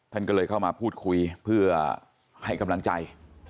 ท่านก็เลยเข้ามาพูดคุยเพื่อให้กำลังใจ